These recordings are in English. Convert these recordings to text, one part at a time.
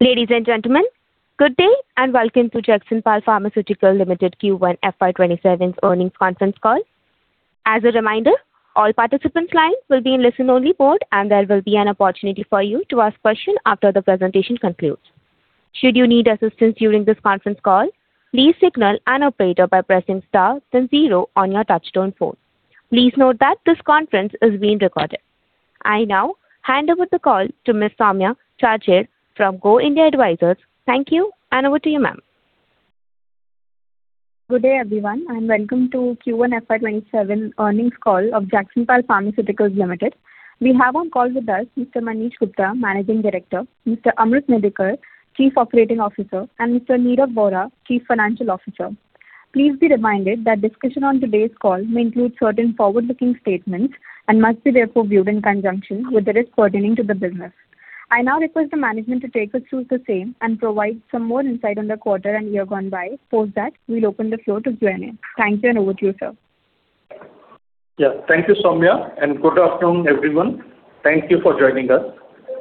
Ladies and gentlemen, good day, and welcome to Jagsonpal Pharmaceuticals Limited Q1 FY 2027 earnings conference call. As a reminder, all participant lines will be in listen-only mode, and there will be an opportunity for you to ask questions after the presentation concludes. Should you need assistance during this conference call, please signal an operator by pressing star then zero on your touch-tone phone. Please note that this conference is being recorded. I now hand over the call to Ms. Sowmya Chhajed from Go India Advisors. Thank you, and over to you, ma'am. Good day, everyone, and welcome to Q1 FY 2027 earnings call of Jagsonpal Pharmaceuticals Limited. We have on call with us Mr. Manish Gupta, Managing Director, Mr. Amrut Medhekar, Chief Operating Officer, and Mr. Nirav Vora, Chief Financial Officer. Please be reminded that discussion on today's call may include certain forward-looking statements and must be therefore viewed in conjunction with the risk pertaining to the business. I now request the management to take us through the same and provide some more insight on the quarter and year gone by. Post that, we'll open the floor to Q&A. Thank you, and over to you, sir. Thank you, Sowmya, and good afternoon, everyone. Thank you for joining us.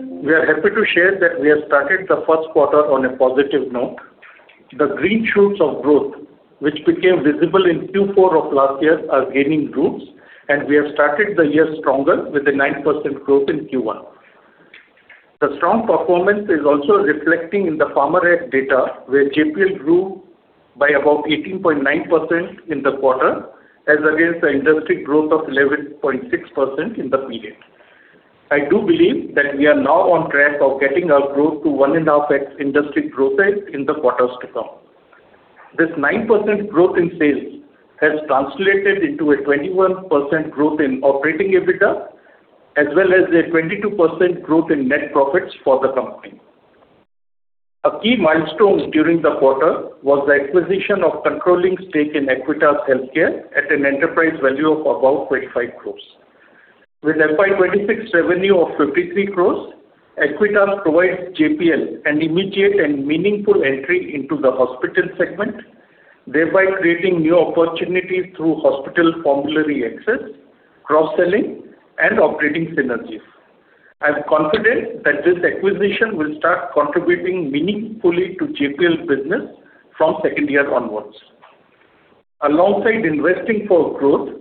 We are happy to share that we have started the first quarter on a positive note. The green shoots of growth, which became visible in Q4 of last year are gaining roots, and we have started the year stronger with a 9% growth in Q1. The strong performance is also reflecting in the PharmaTrac data, where JPL grew by about 18.9% in the quarter as against the industry growth of 11.6% in the period. I do believe that we are now on track of getting our growth to 1.5x industry growth rate in the quarters to come. This 9% growth in sales has translated into a 21% growth in operating EBITDA, as well as a 22% growth in net profits for the company. A key milestone during the quarter was the acquisition of controlling stake in Aequitas Healthcare at an enterprise value of about 25 crore. With FY 2026 revenue of 53 crore, Aequitas provides JPL an immediate and meaningful entry into the hospital segment, thereby creating new opportunities through hospital formulary access, cross-selling, and operating synergies. I'm confident that this acquisition will start contributing meaningfully to JPL business from second year onwards. Alongside investing for growth,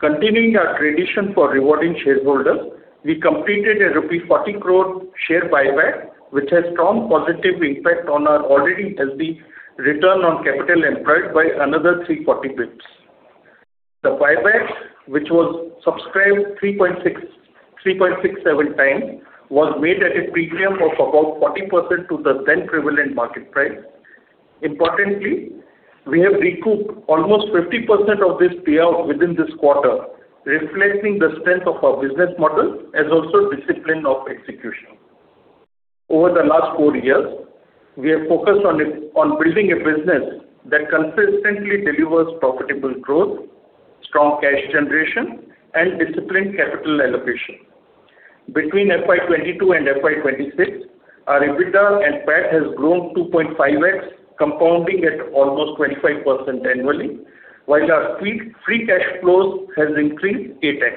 continuing our tradition for rewarding shareholders, we completed a rupee 40 crore share buyback, which has strong positive impact on our already healthy return on capital employed by another 340 basis points. The buyback, which was subscribed 3.67 times, was made at a premium of about 40% to the then prevalent market price. Importantly, we have recouped almost 50% of this payout within this quarter, reflecting the strength of our business model, as also discipline of execution. Over the last four years, we are focused on building a business that consistently delivers profitable growth, strong cash generation, and disciplined capital allocation. Between FY 2022 and FY 2026, our EBITDA and PAT has grown 2.5x, compounding at almost 25% annually, while our free cash flows has increased 8x.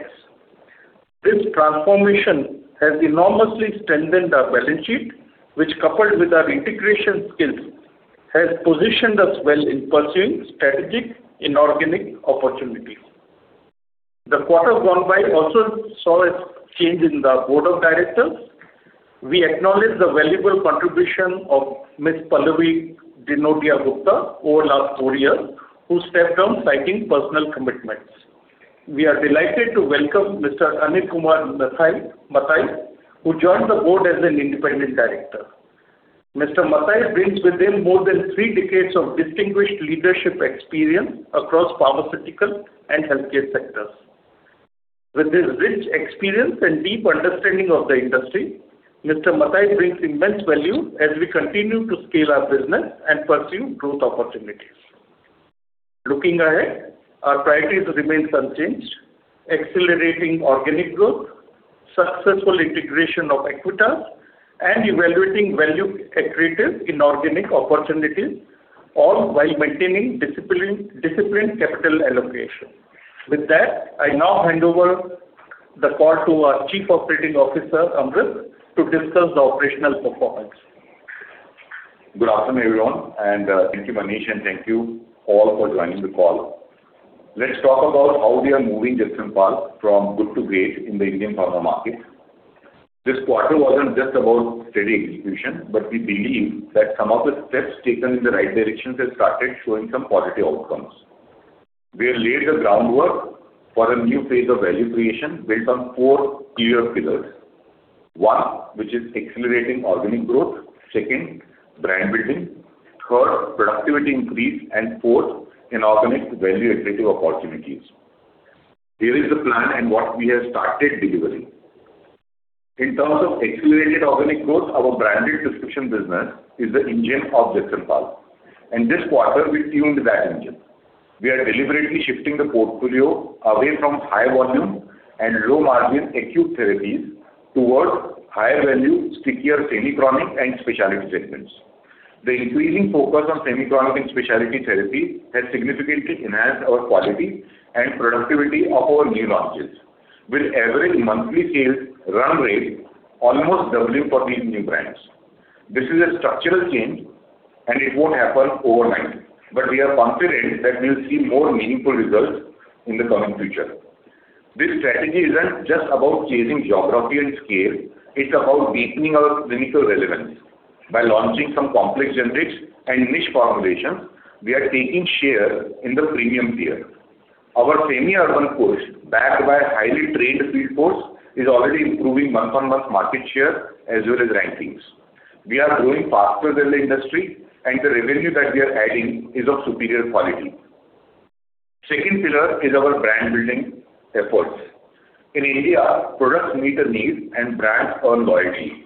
This transformation has enormously strengthened our balance sheet, which, coupled with our integration skills, has positioned us well in pursuing strategic inorganic opportunities. The quarter gone by also saw a change in our board of directors. We acknowledge the valuable contribution of Ms. Pallavi Dinodia Gupta over last four years, who stepped down citing personal commitments. We are delighted to welcome Mr. Anil Kumar Matai, who joined the board as an independent director. Mr. Matai brings with him more than three decades of distinguished leadership experience across pharmaceutical and healthcare sectors. With his rich experience and deep understanding of the industry, Mr. Matai brings immense value as we continue to scale our business and pursue growth opportunities. Looking ahead, our priorities remain unchanged, accelerating organic growth, successful integration of Aequitas, and evaluating value accretive inorganic opportunities, all while maintaining disciplined capital allocation. With that, I now hand over the call to our Chief Operating Officer, Amrut, to discuss the operational performance. Good afternoon, everyone, thank you, Manish, thank you all for joining the call. Let's talk about how we are moving Jagsonpal from good to great in the Indian pharma market. This quarter wasn't just about steady execution, we believe that some of the steps taken in the right directions have started showing some positive outcomes. We have laid the groundwork for a new phase of value creation built on four clear pillars. One, which is accelerating organic growth, two, brand building, three, productivity increase, and four, inorganic value-accretive opportunities. Here is the plan and what we have started delivering. In terms of accelerated organic growth, our branded prescription business is the engine of Jagsonpal, This quarter we tuned that engine. We are deliberately shifting the portfolio away from high volume and low margin acute therapies towards higher value, stickier semi-chronic, and specialty segments. The increasing focus on semi-chronic and specialty therapy has significantly enhanced our quality and productivity of our new launches. With average monthly sales run rate almost doubling for these new brands. This is a structural change. It won't happen overnight, We are confident that we'll see more meaningful results in the coming future. This strategy isn't just about chasing geography and scale, it's about deepening our clinical relevance. By launching some complex generics and niche formulations, we are taking share in the premium tier. Our semi-urban push, backed by a highly trained field force, is already improving month-over-month market share as well as rankings. We are growing faster than the industry. The revenue that we are adding is of superior quality. Second pillar is our brand-building efforts. In India, products meet a need and brands earn loyalty.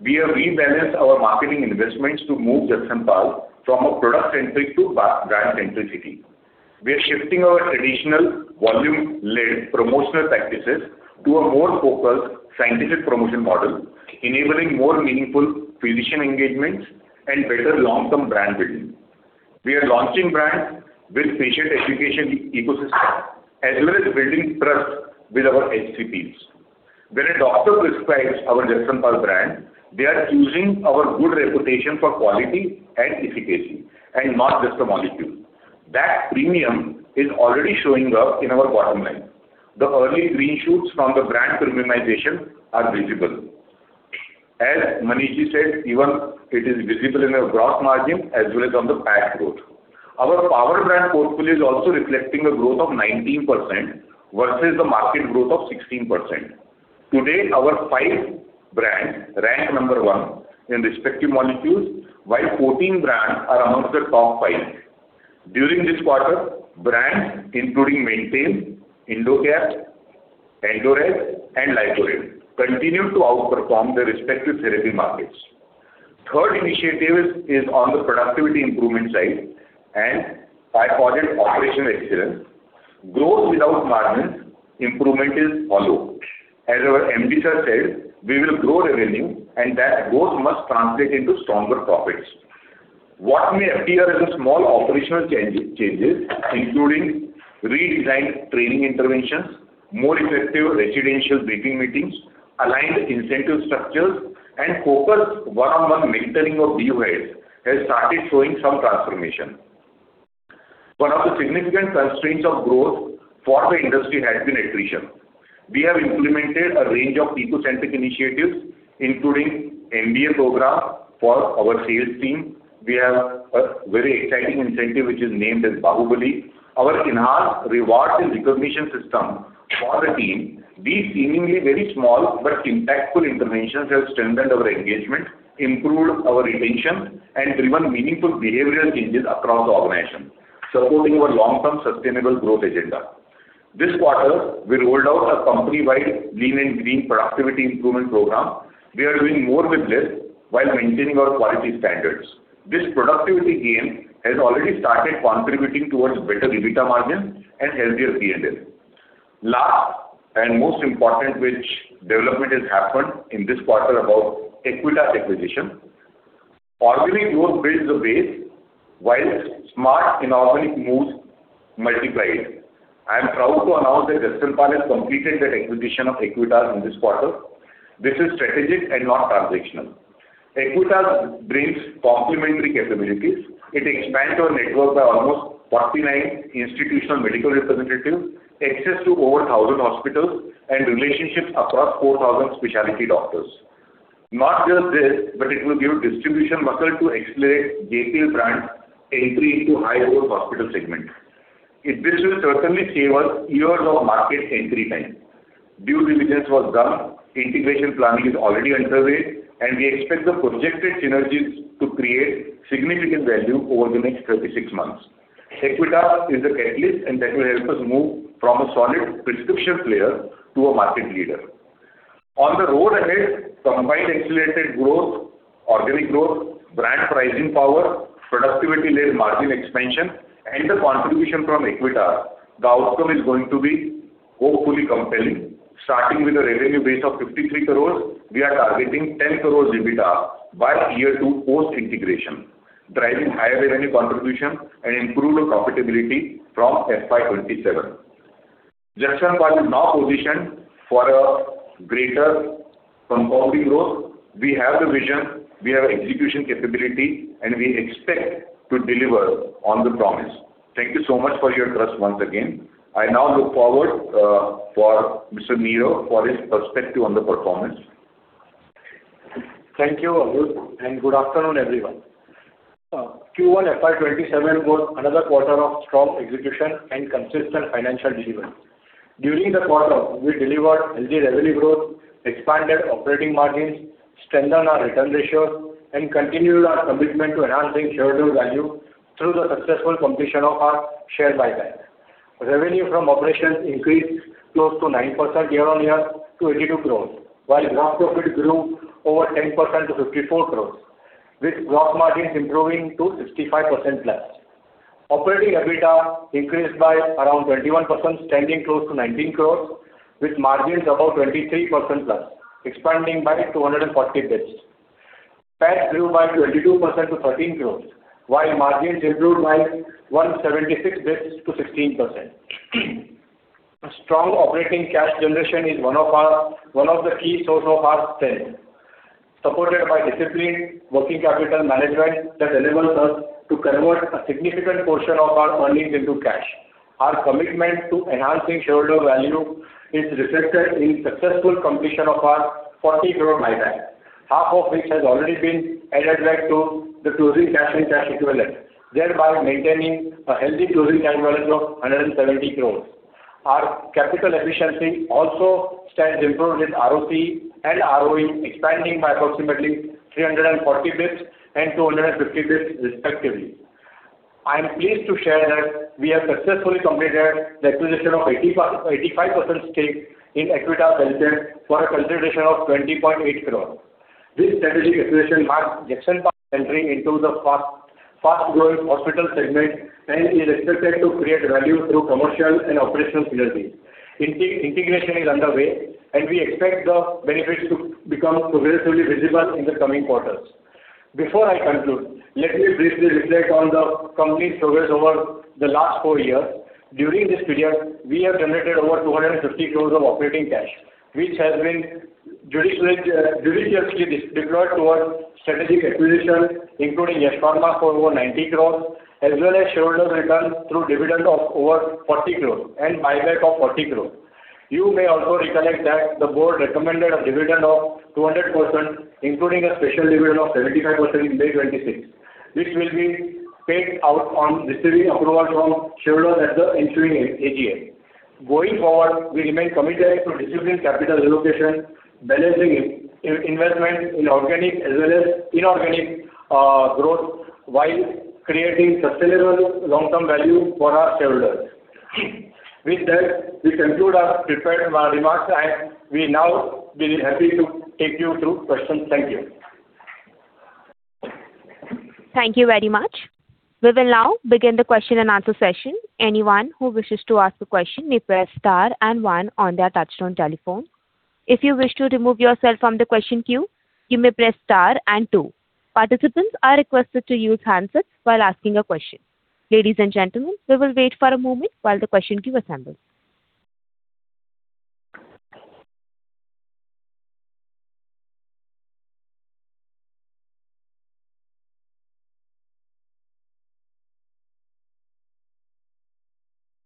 We have rebalanced our marketing investments to move Jagsonpal from a product-centric to brand-centricity. We are shifting our traditional volume-led promotional practices to a more focused scientific promotion model, enabling more meaningful physician engagements and better long-term brand building. We are launching brands with patient education ecosystem as well as building trust with our HCPs. When a doctor prescribes our Jagsonpal brand, they are choosing our good reputation for quality and efficacy, and not just a molecule. That premium is already showing up in our bottom line. The early green shoots from the brand premiumization are visible. As Manish said, even it is visible in our gross margin as well as on the PAT growth. Our power brand portfolio is also reflecting a growth of 19% versus the market growth of 16%. Today, our five brands rank number one in respective molecules, while 14 brands are amongst the top five. During this quarter, brands including Maintane, Indocap, Endoreg, and Lycored continued to outperform their respective therapy markets. Third initiative is on the productivity improvement side, and I call it operational excellence. Growth without margins improvement is hollow. As our MD sir said, we will grow revenue and that growth must translate into stronger profits. What may appear as a small operational changes, including redesigned training interventions, more effective residential briefing meetings, aligned incentive structures, and focused one-on-one mentoring of BU heads has started showing some transformation. One of the significant constraints of growth for the industry has been attrition. We have implemented a range of people-centric initiatives, including MBA program for our sales team. We have a very exciting incentive which is named as [Bahubali], our enhanced rewards and recognition system for the team. These seemingly very small but impactful interventions have strengthened our engagement, improved our retention, and driven meaningful behavioral changes across the organization, supporting our long-term sustainable growth agenda. This quarter, we rolled out a company-wide Lean and Green productivity improvement program. We are doing more with less while maintaining our quality standards. This productivity gain has already started contributing towards better EBITDA margin and healthier P&L. Last and most important development that has happened in this quarter about Aequitas acquisition. Organic growth builds the base, while smart inorganic moves multiply it. I am proud to announce that Jagsonpal has completed their acquisition of Aequitas in this quarter. This is strategic and not transactional. Aequitas brings complementary capabilities. It expands our network by almost 49 institutional medical representatives, access to over 1,000 hospitals, and relationships across 4,000 specialty doctors. It will give distribution muscle to accelerate JPL brands' entry into high-growth hospital segment. This will certainly save us years of market entry time. Due diligence was done, integration planning is already underway, We expect the projected synergies to create significant value over the next 26 months. Aequitas is a catalyst, That will help us move from a solid prescription player to a market leader. On the road ahead, combined accelerated growth, organic growth, brand pricing power, productivity-led margin expansion, and the contribution from Aequitas, the outcome is going to be hopefully compelling. Starting with a revenue base of 53 crores, we are targeting 10 crores EBITDA by year two post-integration, driving higher revenue contribution and improved profitability from FY 2027. Jagsonpal is now positioned for a greater compounding growth. We have the vision, we have execution capability, and we expect to deliver on the promise. Thank you so much for your trust once again. I now look forward for Mr. Nirav for his perspective on the performance. Thank you, Amrut, and good afternoon, everyone. Q1 FY 2027 was another quarter of strong execution and consistent financial delivery. During the quarter, we delivered healthy revenue growth, expanded operating margins, strengthened our return ratios, and continued our commitment to enhancing shareholder value through the successful completion of our share buyback. Revenue from operations increased close to 9% year-over-year to 82 crores, while gross profit grew over 10% to 54 crores, with gross margins improving to 65%+. Operating EBITDA increased by around 21%, standing close to 19 crores, with margins above 23%+, expanding by 240 basis points. PAT grew by 22% to 13 crores, while margins improved by 176 basis points to 16%. A strong operating cash generation is one of the key sources of our strength, supported by disciplined working capital management that enables us to convert a significant portion of our earnings into cash. Our commitment to enhancing shareholder value is reflected in successful completion of our 40 crore buyback, half of which has already been added back to the closing cash and cash equivalent, thereby maintaining a healthy closing time balance of 170 crores. Our capital efficiency also stands improved with ROCE and ROE expanding by approximately 340 basis points and 250 basis points respectively. I'm pleased to share that we have successfully completed the acquisition of 85% stake in Aequitas Healthcare for a consideration of 20.8 crores. This strategic acquisition marks Jagsonpal entering into the fast-growing hospital segment and is expected to create value through commercial and operational synergies. Integration is underway, and we expect the benefits to become progressively visible in the coming quarters. Before I conclude, let me briefly reflect on the company's progress over the last four years. During this period, we have generated over 250 crores of operating cash, which has been judiciously deployed towards strategic acquisitions, including Yash Pharma for over 90 crores, as well as shareholder returns through dividend of over 40 crores and buyback of 40 crores. You may also recollect that the board recommended a dividend of 200%, including a special dividend of 75% in May 2026, which will be paid out on receiving approval from shareholders at the ensuing AGM. Going forward, we remain committed to disciplined capital allocation, balancing investment in organic as well as inorganic growth while creating sustainable long-term value for our shareholders. With that, we conclude our prepared remarks, and we now will be happy to take you through questions. Thank you. Thank you very much. We will now begin the question-and-answer session. Anyone who wishes to ask a question may press star and one on their touch-tone telephone. If you wish to remove yourself from the question queue, you may press star and two. Participants are requested to use handsets while asking a question. Ladies and gentlemen, we will wait for a moment while the question queue assembles.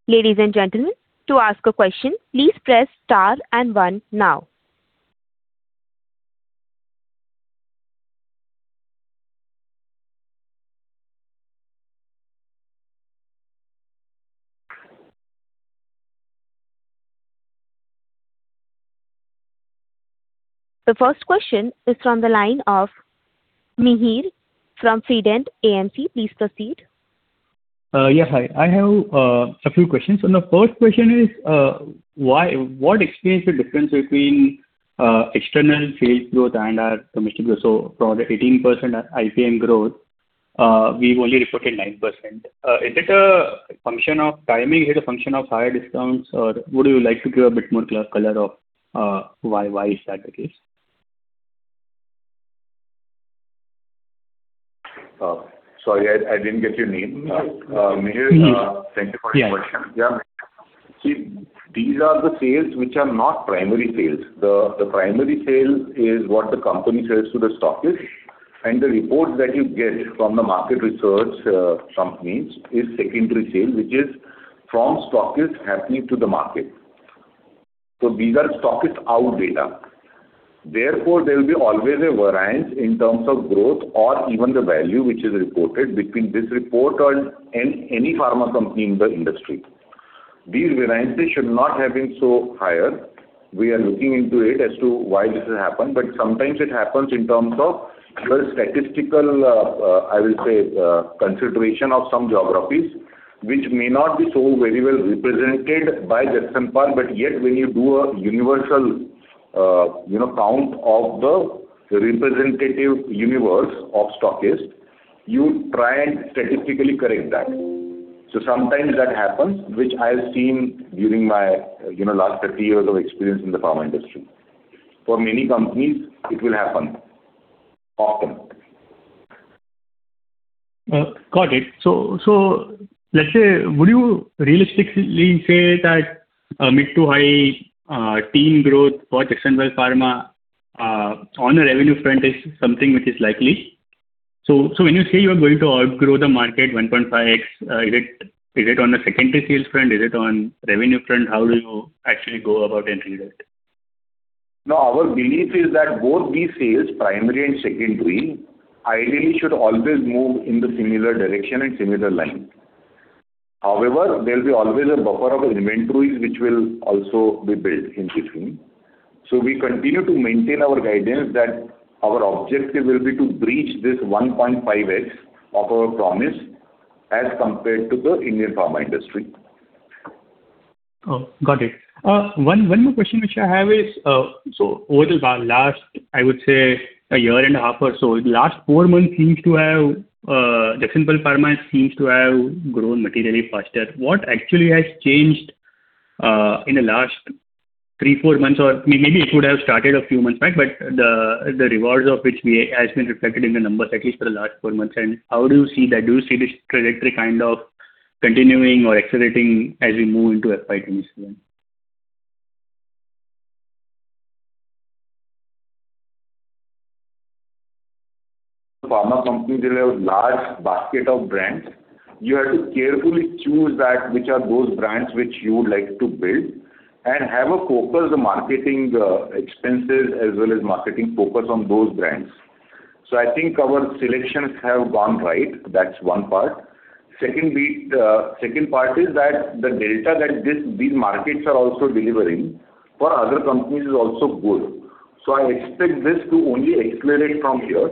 Ladies and gentlemen, to ask a question, please press star and one now. The first question is from the line of Mihir from Fident AMC. Please proceed. Yes. Hi. I have a few questions. The first question is, what explains the difference between external sales growth and our commission growth? From the 18% IPM growth, we've only reported 9%. Is it a function of timing? Is it a function of higher discounts? Would you like to give a bit more color of why is that the case? Sorry, I didn't get your name. Mihir. Yeah. Thank you for your question. See, these are the sales which are not primary sales. The primary sales is what the company sells to the stockist. The reports that you get from the market research companies is secondary sales, which is from stockists happening to the market. These are stockist-out data. Therefore, there will be always a variance in terms of growth or even the value which is reported between this report and any pharma company in the industry. These variances should not have been so high. We are looking into it as to why this has happened. Sometimes it happens in terms of either statistical, I will say, consideration of some geographies, which may not be so very well represented by Jagsonpal, but yet when you do a universal count of the representative universe of stockists, you try and statistically correct that. Sometimes that happens, which I have seen during my last 30 years of experience in the pharma industry. For many companies, it will happen often. Got it. Let's say, would you realistically say that a mid to high teen growth for Jagsonpal Pharma on the revenue front is something which is likely? When you say you are going to outgrow the market 1.5x, is it on the secondary sales front? Is it on revenue front? How will you actually go about entering that? No, our belief is that both these sales, primary and secondary, ideally should always move in the similar direction and similar line. However, there'll be always a buffer of inventories which will also be built in between. We continue to maintain our guidance that our objective will be to breach this 1.5x of our promise as compared to the Indian pharma industry Oh, got it. One more question which I have is, over the last, I would say a year and a half or so, the last four months, Jagsonpal Pharma seems to have grown materially faster. What actually has changed in the last three, four months, or maybe it would have started a few months back, but the rewards of which has been reflected in the numbers, at least for the last four months. How do you see that? Do you see this trajectory kind of continuing or accelerating as we move into FY 2027? Pharma companies will have large basket of brands. You have to carefully choose that which are those brands which you would like to build and have a focus marketing expenses as well as marketing focus on those brands. I think our selections have gone right. That's one part. Second part is that the data that these markets are also delivering for other companies is also good. I expect this to only accelerate from here.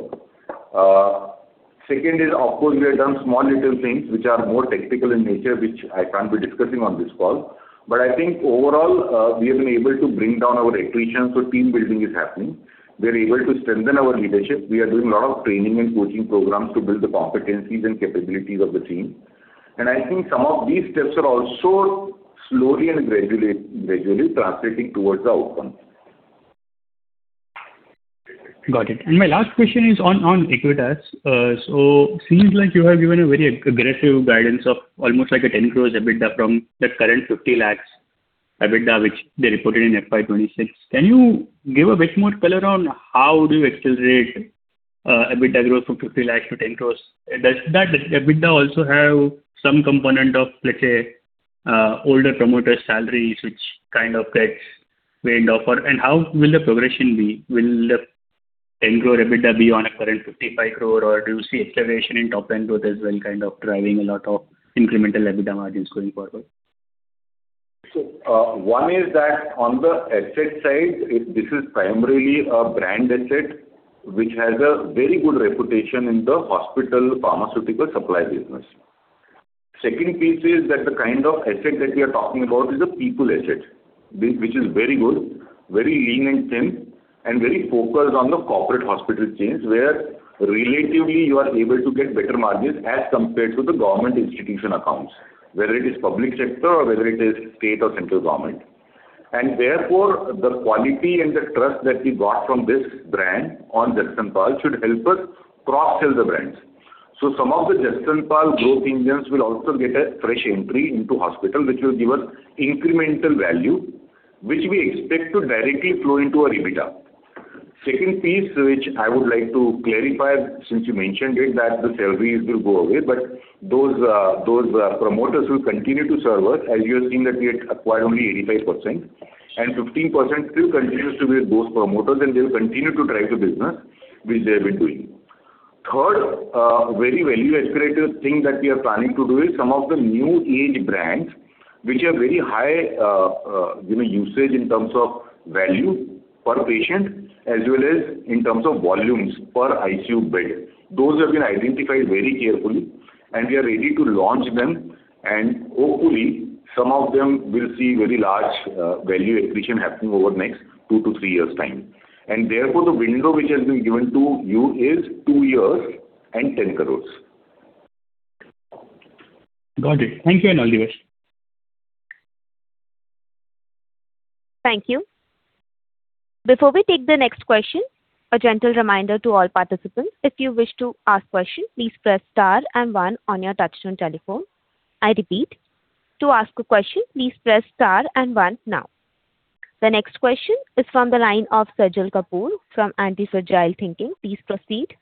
Second is, of course, we have done small little things which are more technical in nature, which I can't be discussing on this call. I think overall, we have been able to bring down our attrition. Team building is happening. We are able to strengthen our leadership. We are doing a lot of training and coaching programs to build the competencies and capabilities of the team. I think some of these steps are also slowly and gradually translating towards the outcome. Got it. My last question is on Aequitas. Seems like you have given a very aggressive guidance of almost like 10 crores EBITDA from the current 50 lakhs EBITDA, which they reported in FY 2026. Can you give a bit more color on how do you accelerate EBITDA growth from 50 lakhs to 10 crores? Does that EBITDA also have some component of, let's say, older promoters' salaries, which kind of gets weighed off? How will the progression be? Will the 10 crore EBITDA be on a current 55 crore or do you see acceleration in top end growth as well, kind of driving a lot of incremental EBITDA margins going forward? One is that on the asset side, this is primarily a brand asset, which has a very good reputation in the hospital pharmaceutical supply business. Second piece is that the kind of asset that we are talking about is a people asset, which is very good, very lean and thin, and very focused on the corporate hospital chains, where relatively you are able to get better margins as compared to the government institution accounts, whether it is public sector or whether it is state or central government. Therefore, the quality and the trust that we got from this brand on Jagsonpal should help us cross-sell the brands. Some of the Jagsonpal growth engines will also get a fresh entry into hospital, which will give us incremental value, which we expect to directly flow into our EBITDA. Second piece, which I would like to clarify since you mentioned it, that the salaries will go away, but those promoters will continue to serve us. As you have seen that we had acquired only 85%, and 15% still continues to be with those promoters, and they'll continue to drive the business which they've been doing. Third, very value-accelerator thing that we are planning to do is some of the new age brands, which have very high usage in terms of value per patient as well as in terms of volumes per ICU bed. Those have been identified very carefully, and we are ready to launch them, and hopefully, some of them will see very large value accretion happening over next two to three years' time. Therefore, the window which has been given to you is two years and 10 crores. Got it. Thank you, and all the best. Thank you. Before we take the next question, a gentle reminder to all participants. If you wish to ask question, please press star and one on your touchtone telephone. I repeat. To ask a question, please press star and one now. The next question is from the line of Sajal Kapoor from Antifragile Thinking. Please proceed.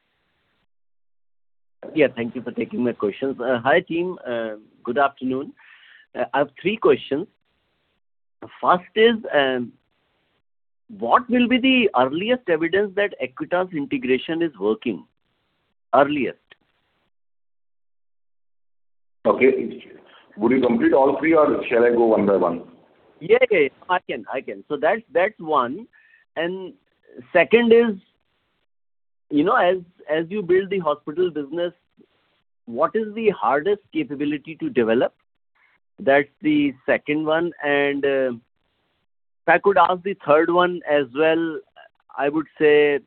Yeah. Thank you for taking my questions. Hi, team. Good afternoon. I have three questions. First is, what will be the earliest evidence that Aequitas integration is working? Earliest. Okay. Would you complete all three or shall I go one by one? Yeah. I can. That's one. Second is, as you build the hospital business, what is the hardest capability to develop? That's the second one. If I could ask the third one as well, I would say,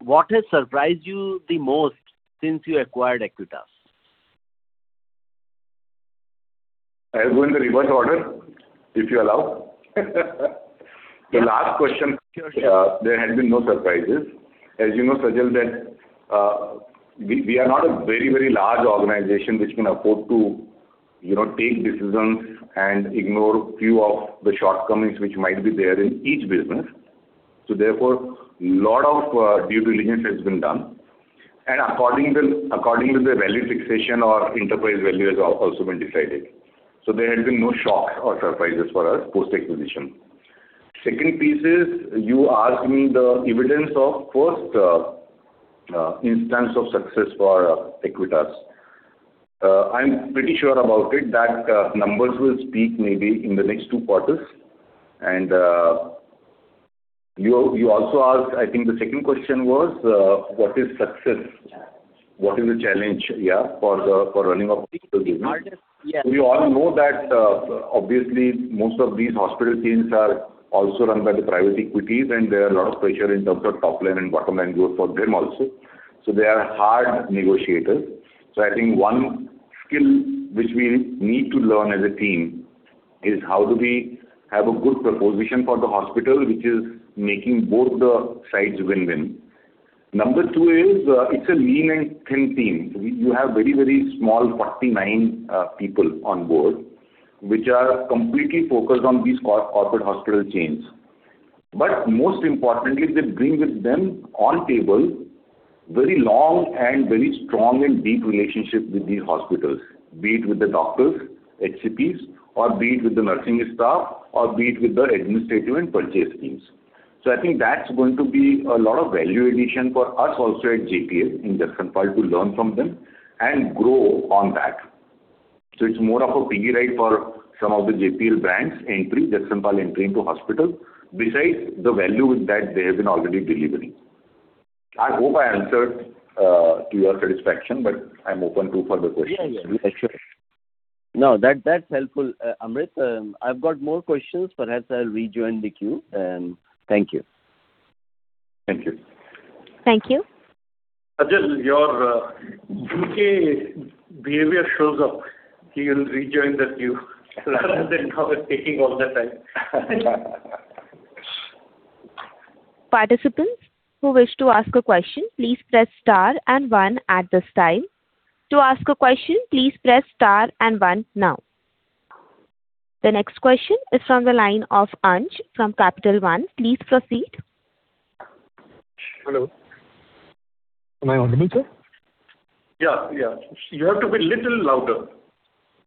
what has surprised you the most since you acquired Aequitas? I'll go in the reverse order, if you allow. The last question. Sure. There had been no surprises. As you know, Sajal, that we are not a very large organization which can afford to take decisions and ignore few of the shortcomings which might be there in each business. Therefore, lot of due diligence has been done, According to the value fixation or enterprise value has also been decided. There had been no shock or surprises for us post-acquisition. Second piece is you asked me the evidence of first instance of success for Aequitas. I'm pretty sure about it that numbers will speak maybe in the next two quarters You also asked, I think the second question was, what is success? What is the challenge for running a digital business? Hardest, yeah. We all know that obviously most of these hospital chains are also run by the private equities. There are a lot of pressure in terms of top line and bottom line growth for them also. They are hard negotiators. I think one skill which we need to learn as a team is how do we have a good proposition for the hospital, which is making both the sides win-win. Number two is, it's a lean and thin team. You have very small 49 people on board, which are completely focused on these corporate hospital chains. Most importantly, they bring with them on table very long and very strong and deep relationship with these hospitals, be it with the doctors, HCPs or be it with the nursing staff or be it with the administrative and purchase teams. I think that's going to be a lot of value addition for us also at JPL, in Jagsonpal, to learn from them and grow on that. It's more of a piggy ride for some of the JPL brands entry, Jagsonpal entry into hospital, besides the value that they have been already delivering. I hope I answered to your satisfaction. I'm open to further questions. Yeah. Sure. No, that's helpful, Amrut. I've got more questions. Perhaps I'll rejoin the queue. Thank you. Thank you. Thank you. Sajal, your U.K. behavior shows up. He will rejoin the queue now that you are taking all the time. Participants who wish to ask a question, please press star and one at this time. To ask a question, please press star and one now. The next question is from the line of Ansh from Capital One. Please proceed. Hello. Am I audible, sir? Yeah. You have to be little louder.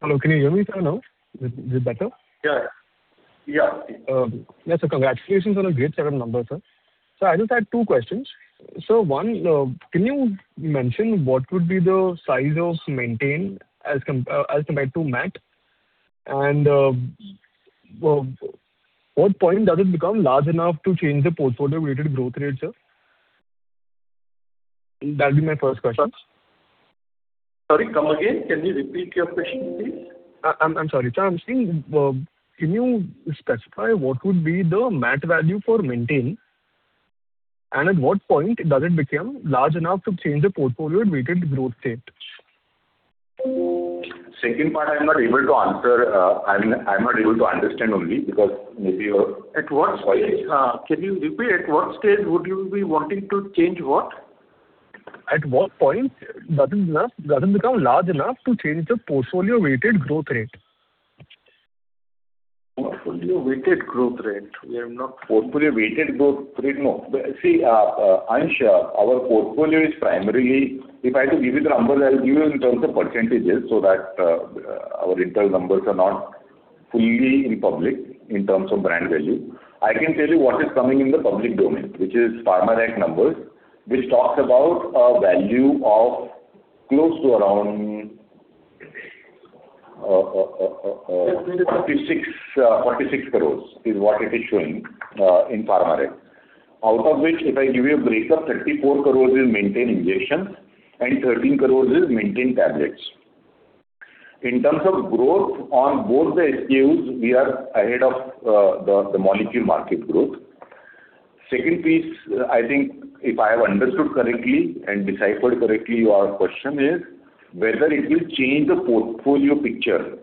Hello. Can you hear me, sir, now? Is it better? Yeah. Yes, sir. Congratulations on a great set of numbers, sir. Sir, I just had two questions. Sir, one, can you mention what would be the size of Maintane as compared to MAT, and at what point does it become large enough to change the portfolio weighted growth rate, sir? That'll be my first question. Sorry, come again. Can you repeat your question, please? I'm sorry, sir. I'm saying, can you specify what would be the MAT value for Maintane, and at what point does it become large enough to change the portfolio weighted growth rate? Second part I'm not able to answer. I'm not able to understand only because maybe your voice Can you repeat, at what stage would you be wanting to change what? At what point does it become large enough to change the portfolio weighted growth rate? Portfolio weighted growth rate. We have not- Portfolio weighted growth rate. No. See, Ansh, our portfolio is primarily, if I have to give you the numbers, I'll give you in terms of percentages so that our internal numbers are not fully in public in terms of brand value. I can tell you what is coming in the public domain, which is PharmaTrac numbers, which talks about a value of close to around INR 46 crores is what it is showing in PharmaTrac. Out of which, if I give you a breakup, 34 crores is Maintane Injection and 13 crores is Maintane Tablet. In terms of growth on both the SKUs, we are ahead of the molecule market growth. Second piece, I think if I have understood correctly and deciphered correctly your question is whether it will change the portfolio picture.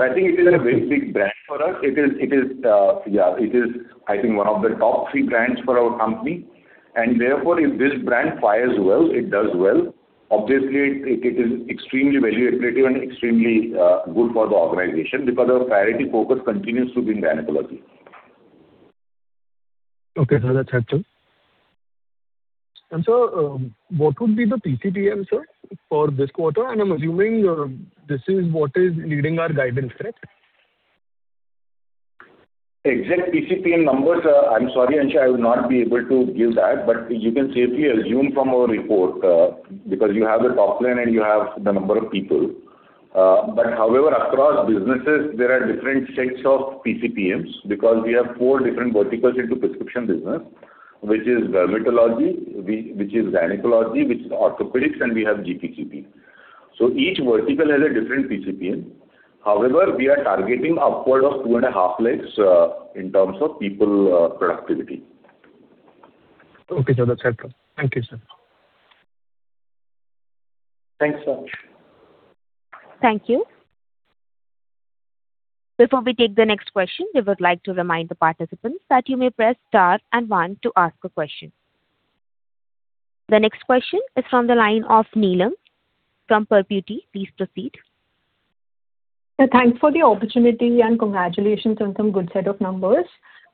I think it is a very big brand for us. It is, I think, one of the top three brands for our company. Therefore, if this brand fires well, it does well. Obviously, it is extremely value accretive and extremely good for the organization because our priority focus continues to be gynecology. Okay, sir. That's helpful. Sir, what would be the PCPM, sir, for this quarter? I'm assuming this is what is leading our guidance, correct? Exact PCPM numbers, I'm sorry, Ansh, I would not be able to give that. You can safely assume from our report because you have the top line and you have the number of people. However, across businesses there are different sets of PCPMs because we have four different verticals into prescription business, which is dermatology, which is gynecology, which is orthopedics, and we have [GPCP]. Each vertical has a different PCPM. However, we are targeting upward of 2.5 lakhs in terms of people productivity. Okay, sir. That's helpful. Thank you, sir. Thanks, Ansh. Thank you. Before we take the next question, we would like to remind the participants that you may press star and one to ask a question. The next question is from the line of Neelam from Perpetuity. Please proceed. Sir, thanks for the opportunity and congratulations on some good set of numbers.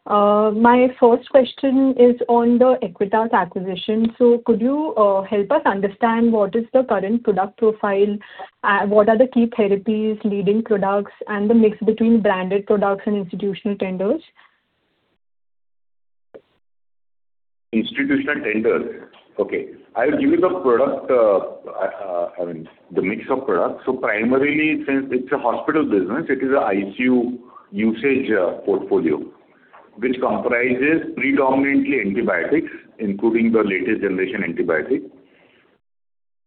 My first question is on the Aequitas acquisition. Could you help us understand what is the current product profile? What are the key therapies, leading products, and the mix between branded products and institutional tenders? Institutional tenders. Okay. I will give you the mix of products. Primarily, since it's a hospital business, it is an ICU usage portfolio, which comprises predominantly antibiotics, including the latest generation antibiotic.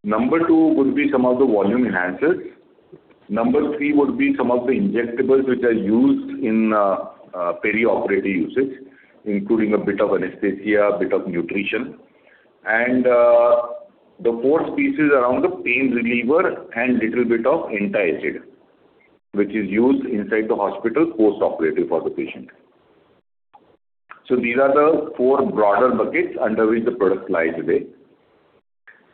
Number two would be some of the volume enhancers. Number three would be some of the injectables, which are used in peri-operative usage, including a bit of anesthesia, a bit of nutrition. The fourth piece is around the pain reliever and little bit of antacid, which is used inside the hospital post-operative for the patient. These are the four broader buckets under which the product lies today.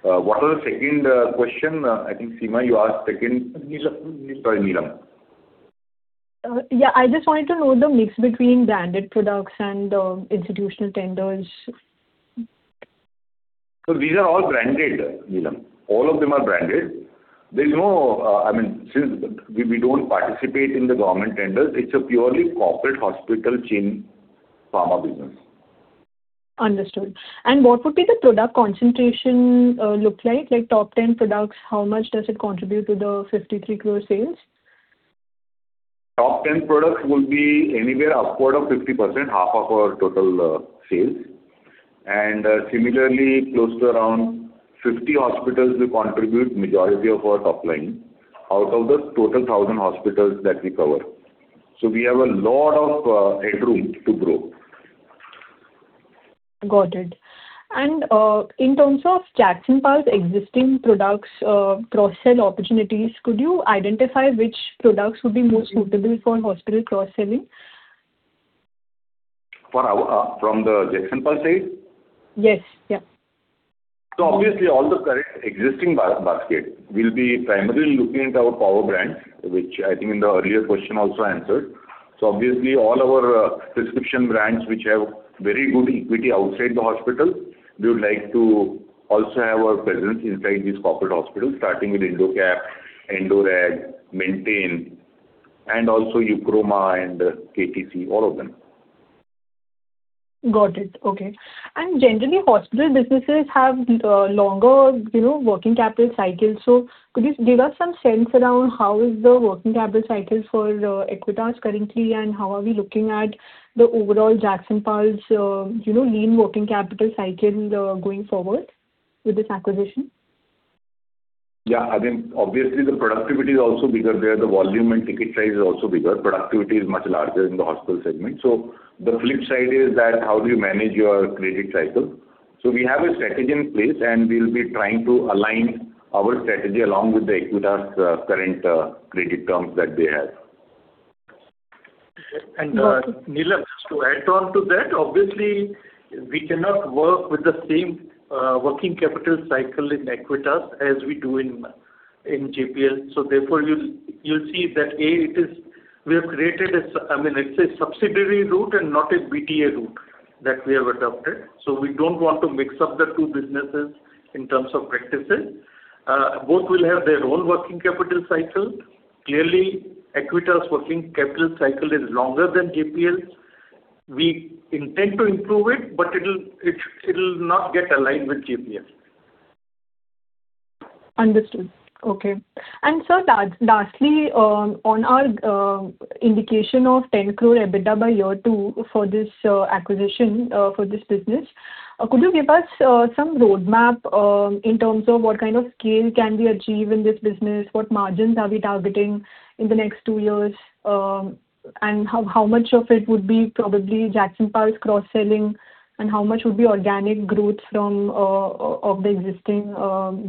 What was the second question? I think, Seema, you asked second. Sorry, Neelam. Yeah. I just wanted to know the mix between branded products and the institutional tenders. These are all branded, Neelam. All of them are branded. Since we don't participate in the government tenders, it's a purely corporate hospital chain pharma business. Understood. What would be the product concentration look like? Top 10 products, how much does it contribute to the 53 crore sales? Top 10 products would be anywhere upward of 50%, half of our total sales. Similarly, close to around 50 hospitals will contribute majority of our top line, out of the total 1,000 hospitals that we cover. We have a lot of headroom to grow. Got it. In terms of Jagsonpal's existing products, cross-sell opportunities, could you identify which products would be most suitable for hospital cross-selling? From the Jagsonpal side? Yes. Obviously all the current existing basket will be primarily looking at our power brand, which I think in the earlier question also answered. Obviously all our prescription brands which have very good equity outside the hospital, we would like to also have our presence inside these corporate hospitals, starting with Indocap, Endoreg, Maintane, and also Eukroma and KTC, all of them. Got it. Okay. Generally, hospital businesses have longer working capital cycles. Could you give us some sense around how is the working capital cycles for Aequitas currently, and how are we looking at the overall Jagsonpal's lean working capital cycle going forward with this acquisition? Yeah. Obviously, the productivity is also bigger there. The volume and ticket size is also bigger. Productivity is much larger in the hospital segment. The flip side is that how do you manage your credit cycle? We have a strategy in place, and we'll be trying to align our strategy along with the Aequitas current credit terms that they have. Neelam, just to add on to that, obviously, we cannot work with the same working capital cycle in Aequitas as we do in JPL. Therefore, you'll see that, A, it's a subsidiary route and not a BTA route that we have adopted. We don't want to mix up the two businesses in terms of practices. Both will have their own working capital cycle. Clearly, Aequitas working capital cycle is longer than JPL's. We intend to improve it, but it will not get aligned with JPL's. Understood. Okay. Sir, lastly, on our indication of 10 crore EBITDA by year two for this acquisition for this business, could you give us some roadmap in terms of what kind of scale can we achieve in this business, what margins are we targeting in the next two years, and how much of it would be probably Jagsonpal's cross-selling, and how much would be organic growth of the existing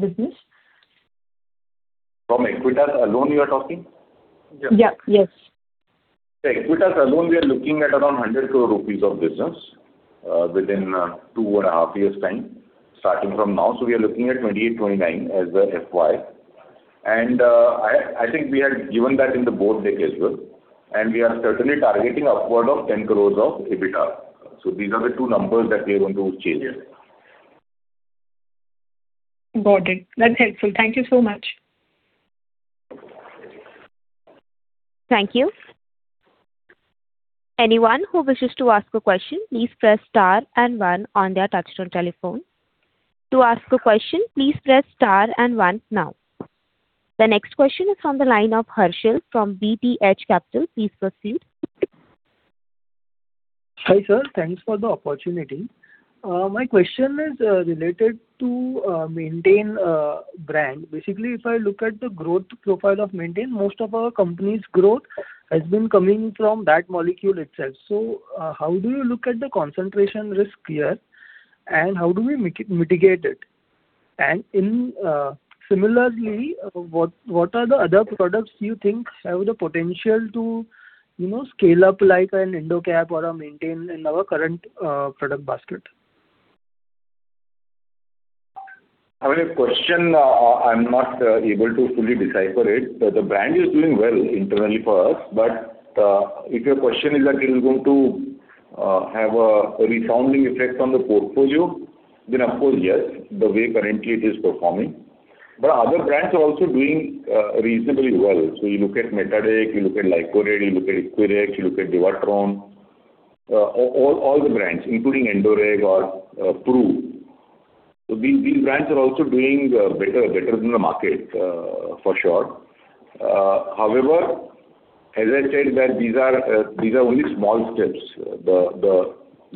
business? From Aequitas alone you are talking? Yeah. Yes. Aequitas alone, we are looking at around 100 crore rupees of business within two and a half years' time, starting from now. We are looking at 2028, 2029 as the FY. I think we had given that in the board deck as well, and we are certainly targeting upward of 10 crores of EBITDA. These are the two numbers that we are going to chase here. Got it. That's helpful. Thank you so much. Thank you. Anyone who wishes to ask a question, please press star and one on their touchtone telephone. To ask a question, please press star and one now. The next question is from the line of Harshal from BTH Capital. Please proceed. Hi, sir. Thanks for the opportunity. My question is related to Maintane brand. Basically, if I look at the growth profile of Maintane, most of our company's growth has been coming from that molecule itself. How do you look at the concentration risk here, and how do we mitigate it? Similarly, what are the other products you think have the potential to scale up like an Indocap or a Maintane in our current product basket? Your question, I'm not able to fully decipher it. The brand is doing well internally for us, but if your question is that it is going to have a resounding effect on the portfolio Then of course, yes, the way currently it is performing. Other brands are also doing reasonably well. You look at Metadec, you look at Lycored, you look at Equirex, you look at Divatrone, all the brands, including Endoreg or PRU. These brands are also doing better than the market, for sure. However, as I said, these are only small steps. The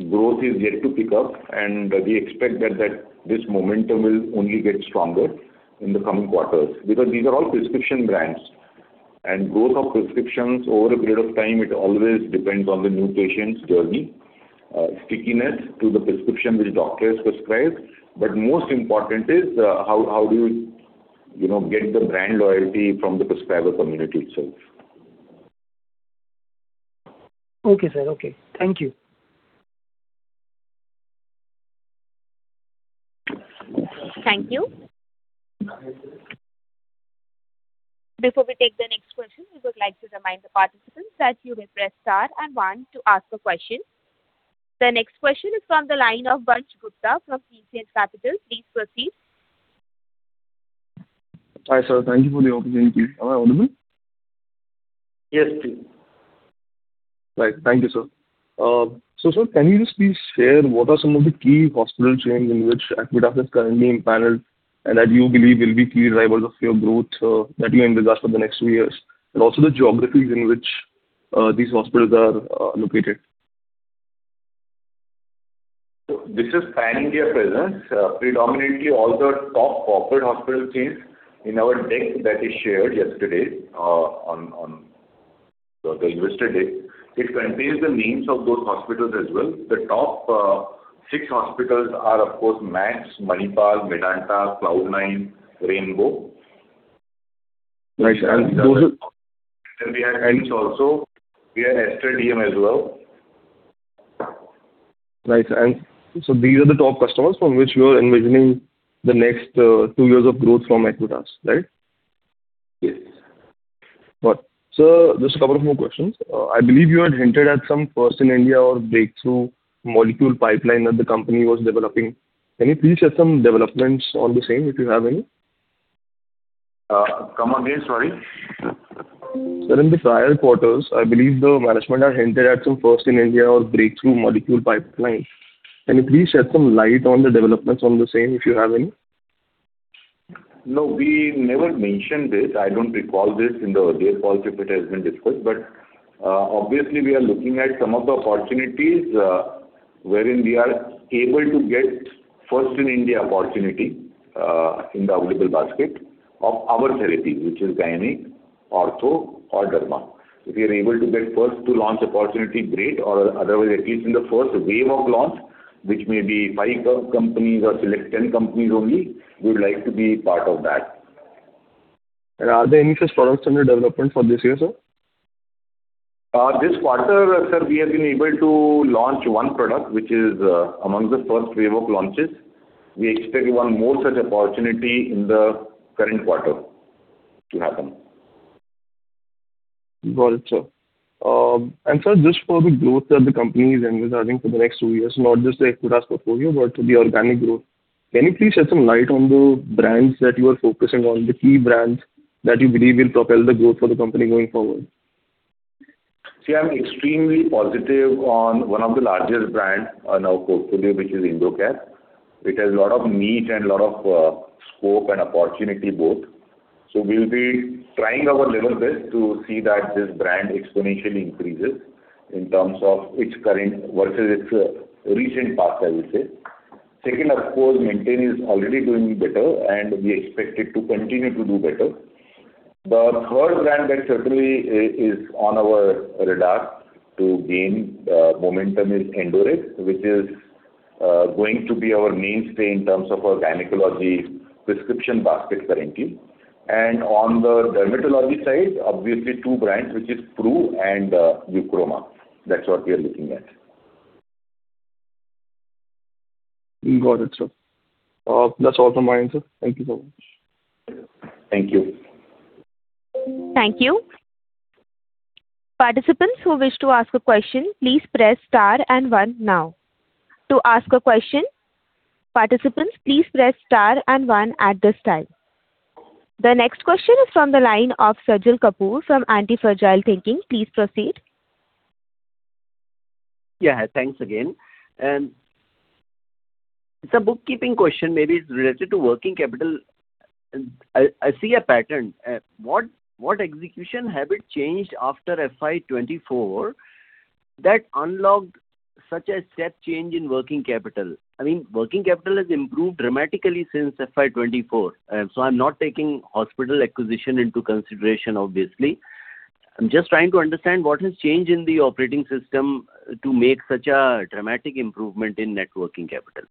growth is yet to pick up, and we expect that this momentum will only get stronger in the coming quarters. Because these are all prescription brands, and growth of prescriptions over a period of time, it always depends on the new patient's journey. Stickiness to the prescription which doctor has prescribed, but most important is how do you get the brand loyalty from the prescriber community itself. Okay, sir. Okay. Thank you. Thank you. Before we take the next question, we would like to remind the participants that you may press star and one to ask a question. The next question is from the line of [Vansh Gupta] from TCS Capital. Please proceed. Hi, sir. Thank you for the opportunity. Am I audible? Yes, please. Right. Thank you, sir. Sir, can you just please share what are some of the key hospital chains in which Aequitas is currently empaneled, and that you believe will be key drivers of your growth that you envisage for the next two years, and also the geographies in which these hospitals are located? This is pan-India presence. Predominantly, all the top corporate hospital chains in our deck that we shared yesterday on the Investor Day. It contains the names of those hospitals as well. The top six hospitals are, of course, Max, Manipal, Medanta, Cloudnine, Rainbow. Right. We have [ELs] also. We have Aster DM as well. Right. These are the top customers from which you are envisioning the next two years of growth from Aequitas, right? Yes. Got it. Sir, just a couple of more questions. I believe you had hinted at some first in India or breakthrough molecule pipeline that the company was developing. Can you please shed some developments on the same, if you have any? Come again, sorry. Sir, in the prior quarters, I believe the management had hinted at some first in India or breakthrough molecule pipeline. Can you please shed some light on the developments on the same, if you have any? No, we never mentioned this. I don't recall this in the earlier calls if it has been discussed. Obviously, we are looking at some of the opportunities, wherein we are able to get first in India opportunity, in the available basket of our therapy, which is gynac, ortho or derma. If we are able to get first to launch opportunity, great, or otherwise, at least in the first wave of launch, which may be five companies or select 10 companies only, we would like to be part of that. Are there any such products under development for this year, sir? This quarter, sir, we have been able to launch one product, which is amongst the first wave of launches. We expect one more such opportunity in the current quarter to happen. Got it, sir. Sir, just for the growth that the company is envisaging for the next two years, not just the Aequitas portfolio, but the organic growth. Can you please shed some light on the brands that you are focusing on, the key brands that you believe will propel the growth for the company going forward? See, I'm extremely positive on one of the largest brands on our portfolio, which is Indocap. It has lot of need and lot of scope and opportunity both. We'll be trying our level best to see that this brand exponentially increases in terms of its current versus its recent past, I would say. Second, of course, Maintane is already doing better, and we expect it to continue to do better. The third brand that certainly is on our radar to gain momentum is Endoreg, which is going to be our mainstay in terms of our gynecology prescription basket currently. On the dermatology side, obviously two brands, which is PRU and Eukroma. That's what we are looking at. Got it, sir. That's all from my end, sir. Thank you so much. Thank you. Thank you. Participants who wish to ask a question, please press star and one now. To ask a question, participants, please press star and one at this time. The next question is from the line of Sajal Kapoor from Antifragile Thinking. Please proceed. Yeah. Thanks again. It's a bookkeeping question. Maybe it's related to working capital. I see a pattern. What execution habit changed after FY 2024 that unlocked such a step change in working capital? I mean, working capital has improved dramatically since FY 2024. I'm not taking hospital acquisition into consideration, obviously. I'm just trying to understand what has changed in the operating system to make such a dramatic improvement in net working capital.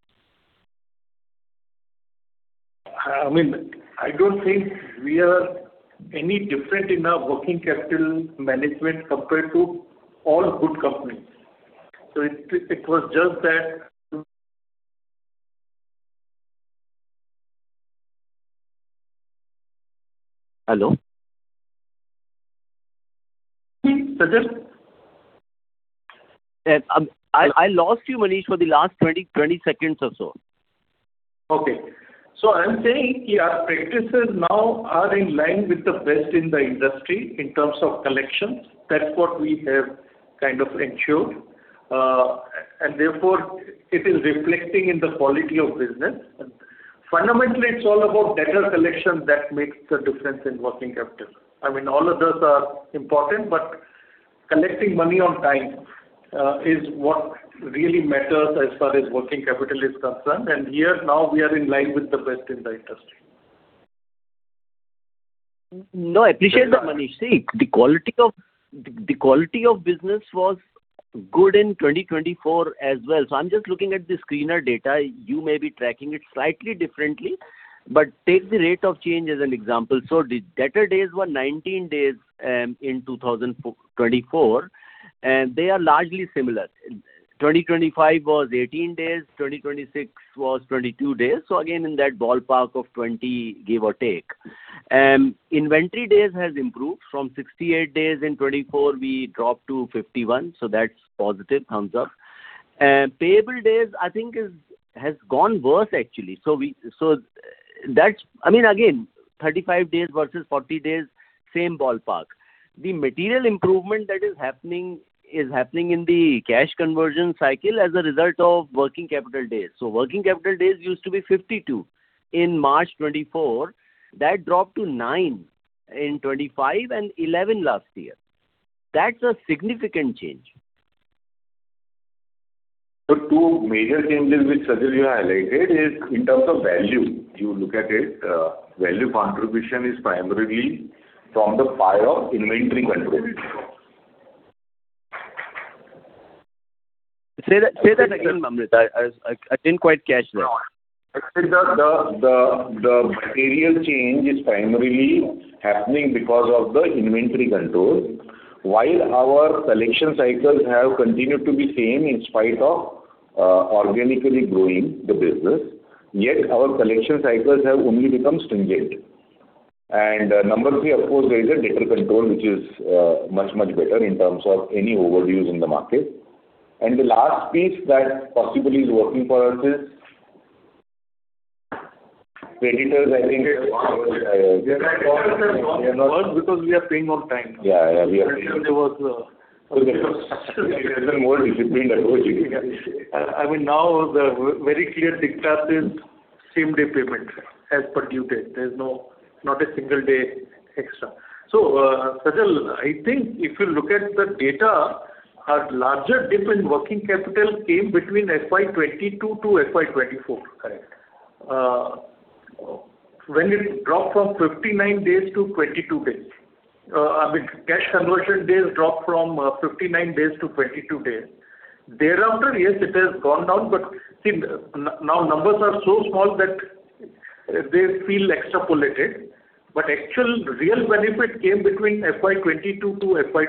I don't think we are any different in our working capital management compared to all good companies. Hello. Sajal. I lost you, Manish, for the last 20 seconds or so. Okay. I am saying our practices now are in line with the best in the industry in terms of collections. That is what we have ensured. Therefore, it is reflecting in the quality of business. Fundamentally, it is all about debtor collection that makes the difference in working capital. All of those are important, collecting money on time is what really matters as far as working capital is concerned. Here, now we are in line with the best in the industry. No, I appreciate that, Manish. See, the quality of business was good in 2024 as well. I am just looking at the screener data. You may be tracking it slightly differently, take the rate of change as an example. The debtor days were 19 days in 2024, they are largely similar. 2025 was 18 days, 2026 was 22 days. Again, in that ballpark of 20, give or take. Inventory days has improved from 68 days in 2024, we dropped to 51, that is positive. Thumbs up. Payable days, I think has gone worse, actually. Again, 35 days versus 40 days, same ballpark. The material improvement that is happening is happening in the cash conversion cycle as a result of working capital days. Working capital days used to be 52 in March 2024. That dropped to nine in 2025 and 11 last year. That is a significant change. The two major changes which, Sajal, you have highlighted is in terms of value. You look at it, value contribution is primarily from the pie of inventory control. Say that again, Amrut. I didn't quite catch that. I said the material change is primarily happening because of the inventory control. While our collection cycles have continued to be same in spite of organically growing the business, yet our collection cycles have only become stringent. Number three, of course, there is a debtor control, which is much, much better in terms of any overdues in the market. The last piece that possibly is working for us is creditors. Creditors have gone worse because we are paying on time now. Yeah. We are paying. Earlier there was Even more discipline that was Now the very clear diktat is same day payment as per due date. There is not a single day extra. Sajal, I think if you look at the data, our larger dip in working capital came between FY 2022 to FY 2024. Correct. When it dropped from 59 days to 22 days. I mean, cash conversion days dropped from 59 days to 22 days. Thereafter, yes, it has gone down, see, now numbers are so small that they feel extrapolated. Actual real benefit came between FY 2022 to FY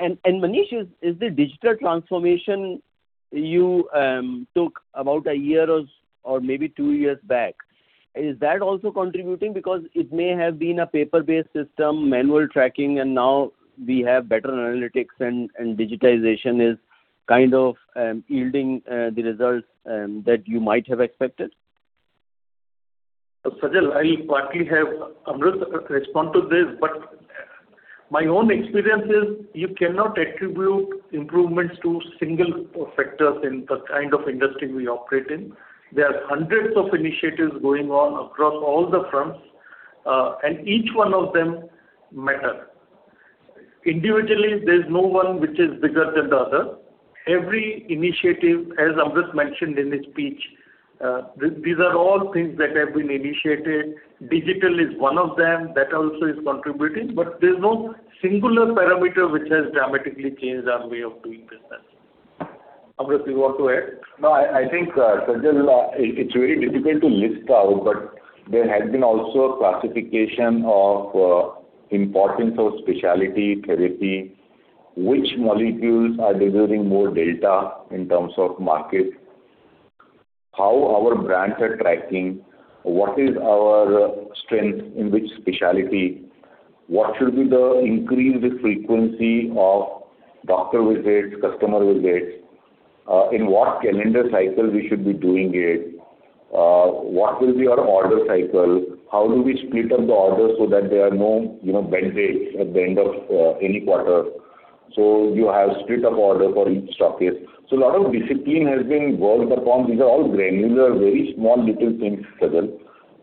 2024. Manish, is the digital transformation you took about one year or maybe two years back, is that also contributing? Because it may have been a paper-based system, manual tracking, and now we have better analytics and digitization is kind of yielding the results that you might have expected. Sajal, I'll partly have Amrut respond to this, but my own experience is you cannot attribute improvements to single factors in the kind of industry we operate in. There are hundreds of initiatives going on across all the fronts, and each one of them matter. Individually, there's no one which is bigger than the other. Every initiative, as Amrut mentioned in his speech, these are all things that have been initiated. Digital is one of them. That also is contributing, but there's no singular parameter which has dramatically changed our way of doing business. Amrut, you want to add? I think, Sajal, it's very difficult to list out, but there has been also a classification of importance of speciality therapy, which molecules are delivering more data in terms of market, how our brands are tracking, what is our strength in which speciality, what should be the increased frequency of doctor visits, customer visits, in what calendar cycle we should be doing it, what will be our order cycle, how do we split up the order so that there are no bend days at the end of any quarter. You have split up order for each stockist. A lot of discipline has been worked upon. These are all granular, very small little things, Sajal.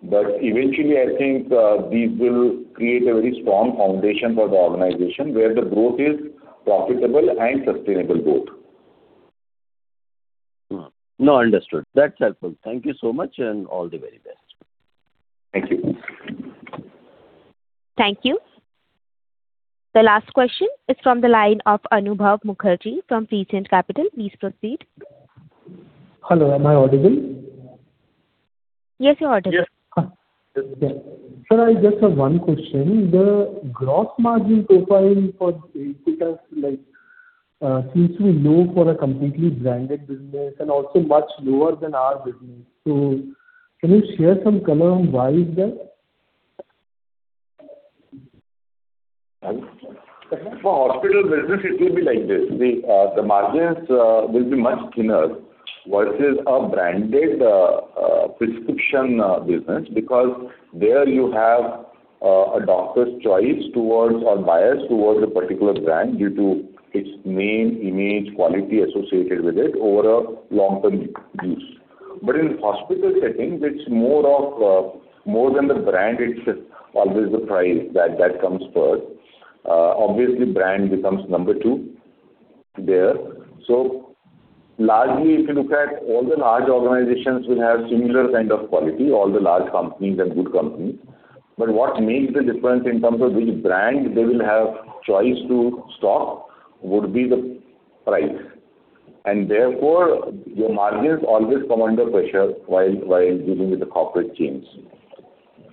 Eventually, I think these will create a very strong foundation for the organization where the growth is profitable and sustainable both. Understood. That's helpful. Thank you so much and all the very best. Thank you. Thank you. The last question is from the line of Anubhav Mukherjee from Prescient Capital. Please proceed. Hello, am I audible? Yes, you're audible. Yes. Okay. Sir, I just have one question. The gross margin profile for Aequitas like seems to be low for a completely branded business and also much lower than our business. Can you share some color on why is that? For hospital business, it will be like this. The margins will be much thinner versus a branded prescription business, because there you have a doctor's choice towards, or buyers towards a particular brand due to its name, image, quality associated with it over a long-term use. In hospital settings, it's more than the brand, it's always the price that comes first. Obviously, brand becomes number two there. Largely, if you look at all the large organizations will have similar kind of quality, all the large companies and good companies. What makes the difference in terms of which brand they will have choice to stock would be the price. Therefore, your margins always come under pressure while dealing with the corporate chains.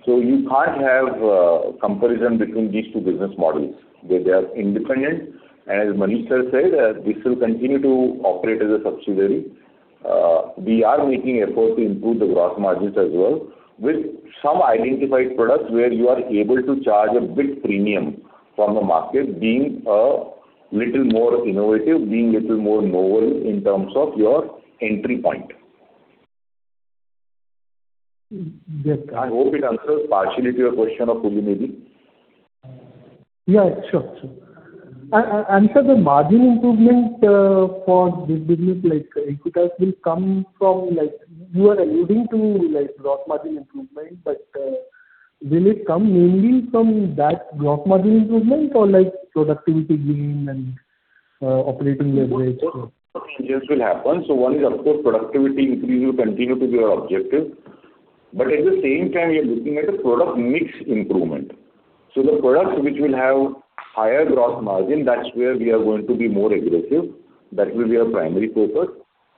You can't have a comparison between these two business models. They are independent. As Manish said, this will continue to operate as a subsidiary. We are making effort to improve the gross margins as well with some identified products where you are able to charge a bit premium from the market, being a little more innovative, being little more novel in terms of your entry point. Yes, got it. I hope it answers partially to your question or fully maybe. Yeah, sure. Sir, the margin improvement for this business, like Aequitas, will come from like, you are alluding to gross margin improvement, will it come mainly from that gross margin improvement or productivity gain and operating leverage? Both of these will happen. One is of course, productivity increase will continue to be our objective. At the same time, we are looking at a product mix improvement. The products which will have higher gross margin, that's where we are going to be more aggressive. That will be our primary focus.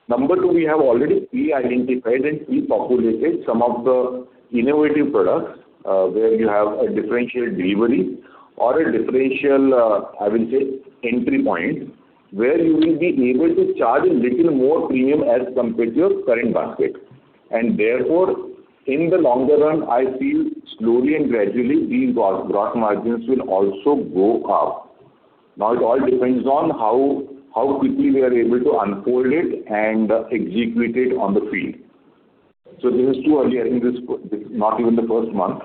Number two, we have already pre-identified and pre-populated some of the innovative products, where you have a differentiated delivery or a differential, I will say, entry point, where you will be able to charge a little more premium as compared to your current basket. Therefore, in the longer run, I feel slowly and gradually, these gross margins will also go up. It all depends on how quickly we are able to unfold it and execute it on the field. This is too early. I think this is not even the first month.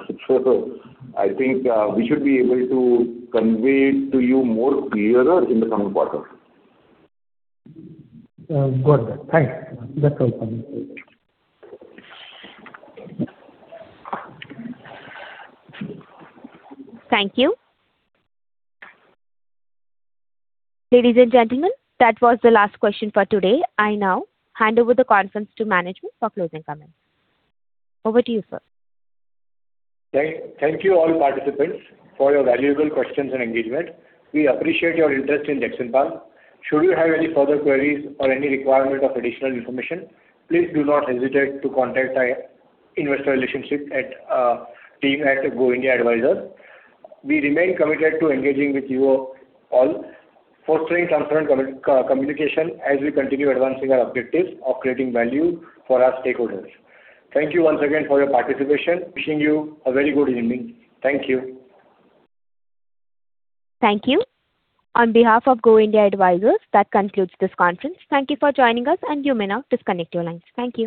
I think we should be able to convey it to you more clearer in the coming quarters. Good. Thanks. That's all from my side. Thank you. Ladies and gentlemen, that was the last question for today. I now hand over the conference to management for closing comments. Over to you, sir. Thank you all participants, for your valuable questions and engagement. We appreciate your interest in Jagsonpal. Should you have any further queries or any requirement of additional information, please do not hesitate to contact our investor relationship team at Go India Advisors. We remain committed to engaging with you all, fostering transparent communication as we continue advancing our objectives of creating value for our stakeholders. Thank you once again for your participation. Wishing you a very good evening. Thank you. Thank you. On behalf of Go India Advisors, that concludes this conference. Thank you for joining us, and you may now disconnect your lines. Thank you.